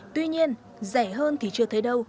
tuy nhiên rẻ hơn thì chưa thấy đâu